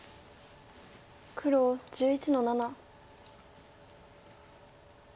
黒１１の七。